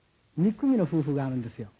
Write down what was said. ２組の夫婦があるんですよ。